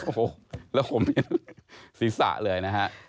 โอ้โหแล้วผมเห็นศีรษะเลยนะฮะ